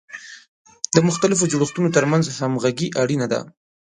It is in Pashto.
د مختلفو جوړښتونو ترمنځ همغږي اړینه ده.